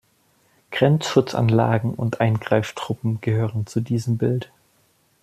Grenzschutzanlagen und Eingreiftruppen gehören zu diesem Bild.